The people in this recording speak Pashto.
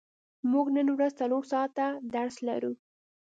موږ نن ورځ څلور ساعته درس لرو.